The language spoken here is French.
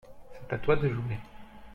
C’est à toi de jouer.